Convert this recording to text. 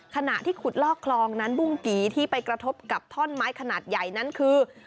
ขณะที่ขุดลอกคลองนั้นบุ้งกี่ที่ไปกระทบกับท่อนไม้ขนาดใหญ่นั้นคือ